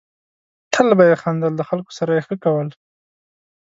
تل به یې خندل ، د خلکو سره یې ښه کول.